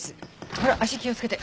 ほら足気をつけて。